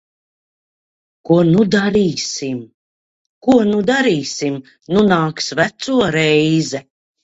Ko nu darīsim? Ko nu darīsim? Nu nāks veco reize.